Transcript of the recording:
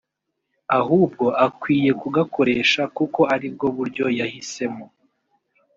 ahubwo akwiye kugakoresha kuko aribwo buryo yahisemo”